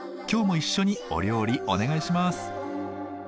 今日も一緒にお料理お願いします。